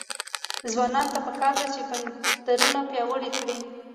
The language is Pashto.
ځوانانو ته پکار ده چې، بندرونه پیاوړي کړي.